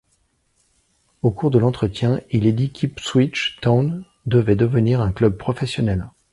Au cours de l'entretien, il est dit qu'Ipswich Town devait devenir un club professionnel.